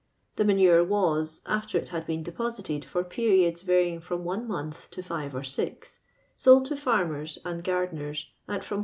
The manure was, after it had been deposited for periods varying from one month to five or six, sold to farmers and gardeners at from 4s.